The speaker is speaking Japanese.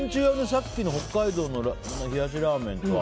さっきの北海道の冷やしラーメンとは。